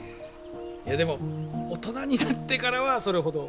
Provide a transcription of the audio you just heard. でも大人になってからはそれほど。